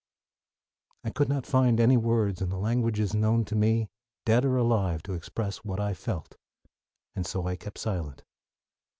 I could not find any words in the languages known to me, dead or alive, to express what I felt, and so I kept silent.